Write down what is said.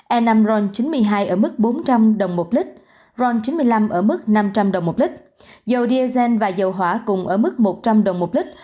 e năm ron chín mươi hai ở mức bốn trăm linh đồng một lít ron chín mươi năm ở mức năm trăm linh đồng một lít dầu diesel và dầu hỏa cùng ở mức một trăm linh đồng một lít